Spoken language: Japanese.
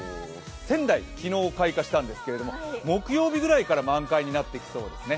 仙台、昨日開花したんですけど、木曜日くらいから満開になってきそうですね。